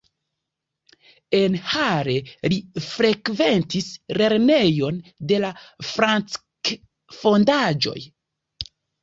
En Halle li frekventis lernejon de la Francke-fondaĵoj.